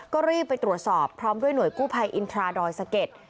ก็รีบไปตรวจสอบพร้อมด้วยหน่วยกู้ภัยอินทราดอยสะเก็ด